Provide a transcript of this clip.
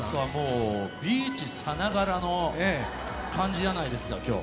ビーチさながらの感じじゃないですか、今日。